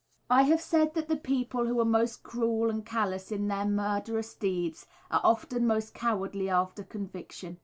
_ I have said that the people who are most cruel and callous in their murderous deeds are often most cowardly after conviction.